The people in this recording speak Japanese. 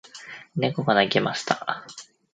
猫が鳴きました。